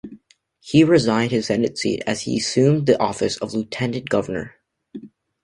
He resigned his Senate seat as he assumed the office of lieutenant governor.